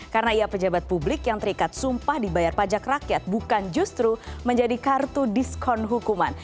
karena ia pejabat publik yang terikat sumpah dibayar pajak rakyat bukan justru menjadi kartu diskon hukuman